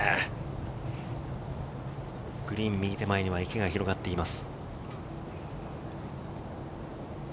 グリーン右手前には池が広がっています。